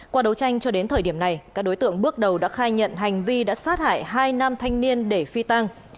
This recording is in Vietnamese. qua đấu tranh cho đến thời điểm này các đối tượng bước đầu đã khai nhận hành vi đã sát hại hai nam thanh niên để phi tăng